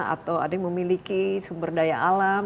atau ada yang memiliki sumber daya alam